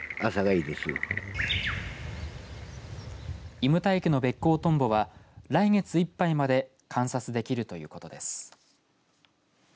藺牟田池のベッコウトンボは来月いっぱいまで観察できるということです。